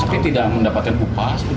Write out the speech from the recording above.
seperti tidak mendapatkan upah